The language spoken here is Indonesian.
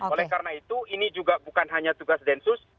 oleh karena itu ini juga bukan hanya tugas densus